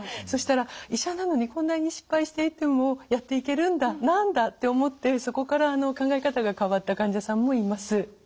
そしたら医者なのにこんなに失敗していてもやっていけるんだ何だって思ってそこから考え方が変わった患者さんもいます。